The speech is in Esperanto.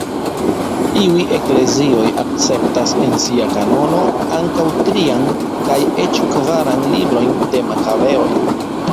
Iuj eklezioj akceptas en sia kanono ankaŭ trian kaj eĉ kvaran librojn de Makabeoj.